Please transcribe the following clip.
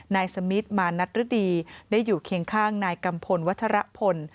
นายสมิทมานัทฤดีได้อยู่เคียงข้างนายกัมพลวัชรพล